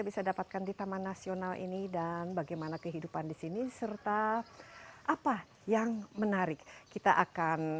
bisa dapatkan di taman nasional ini dan bagaimana kehidupan di sini serta apa yang menarik kita akan